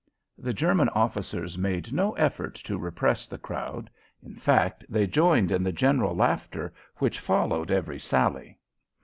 The German officers made no effort to repress the crowd; in fact, they joined in the general laughter which followed every sally.